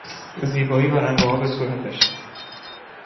زیبایی و رنگ و آب صورتش